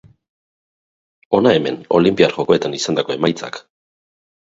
Hona hemen Olinpiar Jokoetan izandako emaitzak.